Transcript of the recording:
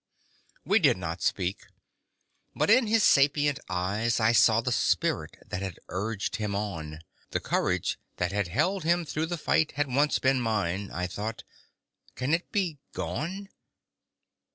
We did not speak. But in his sapient eyes I saw the spirit that had urged him on, The courage that had held him through the fight Had once been mine, I thought, "Can it be gone?"